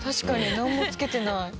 なんもつけてない。